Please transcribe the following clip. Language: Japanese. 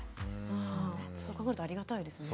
そう考えるとありがたいですね。